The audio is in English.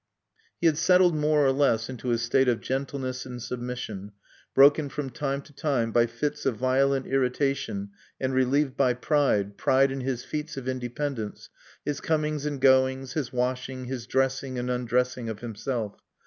He had settled more or less into his state of gentleness and submission, broken from time to time by fits of violent irritation and relieved by pride, pride in his feats of independence, his comings and goings, his washing, his dressing and undressing of himself.